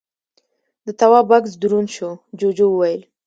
د تواب بکس دروند شو، جُوجُو وويل: